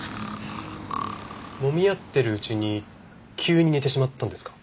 もみ合ってるうちに急に寝てしまったんですか？